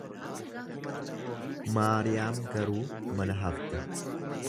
Maariyaam garuu mana hafte.